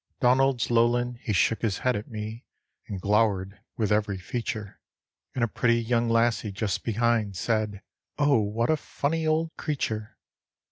Donald's lowland, he shook his head at me, And glowered with every feature, And a pretty young lassie just behind Said: "Oh, what a funny old creature!"